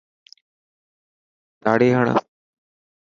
تاڙي هڻ.